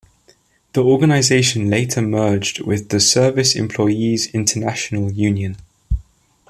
The organization later merged with the Service Employees International Union.